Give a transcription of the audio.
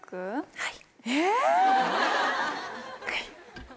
はい。